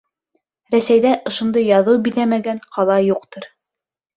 Рәсәйҙә ошондай яҙыу биҙәмәгән ҡала юҡтыр.